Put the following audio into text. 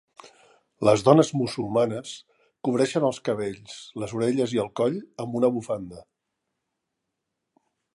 Les dones musulmanes cobreixen els cabells, les orelles i el coll amb una bufanda.